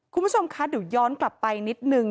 คุณผู้ชมคะเดี๋ยวย้อนกลับไปนิดนึง